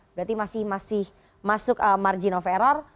berarti masih masuk margin of error